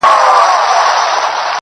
غټي داړي یې ښکاره کړې په خندا سو!!